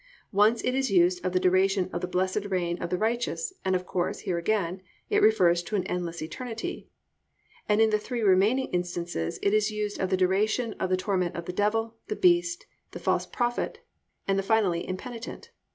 Once it is used of the duration of the blessed reign of the righteous, and, of course, here again it refers to an endless eternity: and in the three remaining instances it is used of the duration of the torment of the Devil, the Beast, the False Prophet, and the finally impenitent.